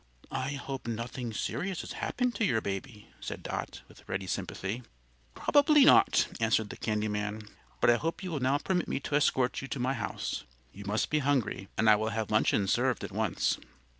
"I hope nothing serious has happened to your baby," said Dot, with ready sympathy. "Probably not," answered the candy man. "But I hope you will now permit me to escort you to my house. You must be hungry; and I will have luncheon served at once."